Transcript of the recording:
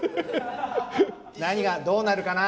何がどうなるかな？